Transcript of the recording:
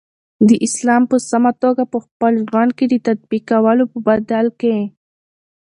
د اسلام په سمه توګه په خپل ژوند کی د تطبیقولو په بدل کی